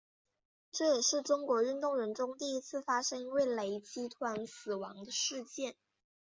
这也是中国运动员中第一次发生因为雷击突然死亡的事件。